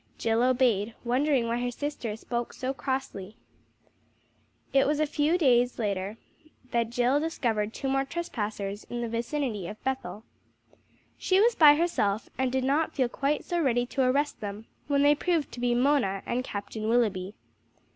Jill obeyed, wondering why her sister spoke so crossly. It was a few days after this that Jill discovered two more trespassers in the vicinity of Bethel. She was by herself, and did not feel quite so ready to arrest them when they proved to be Mona and Captain Willoughby.